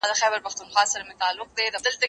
زه پرون سیر کوم!؟